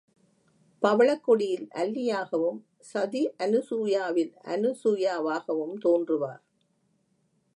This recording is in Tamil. பவளக்கொடியில் அல்லியாகவும், சதியனுசூயாவில் அனுசூயாவாகவும் தோன்றுவார்.